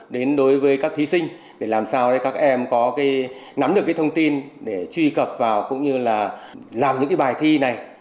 đến đối với các thí sinh để làm sao các em có nắm được thông tin để truy cập vào cũng như là làm những bài thi này